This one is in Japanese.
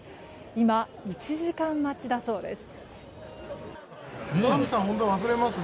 今、１時間待ちだそうです。